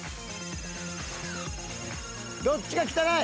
どっちが汚い？